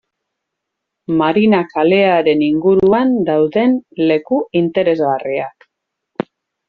Marina kalearen inguruan dauden leku interesgarriak.